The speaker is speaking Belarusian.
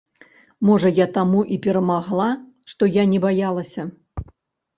Можа я таму і перамагла, што я не баялася.